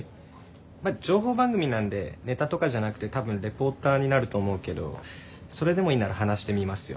まぁ情報番組なんでネタとかじゃなくて多分レポーターになると思うけどそれでもいいなら話してみますよ。